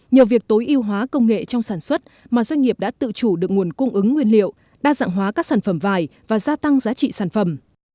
nhờ việc tối ưu hóa công nghệ trong sản xuất mà doanh nghiệp đã tự chủ được nguồn cung ứng nguyên liệu đa dạng hóa các sản phẩm vải và gia tăng giá trị sản phẩm